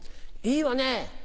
いいわね。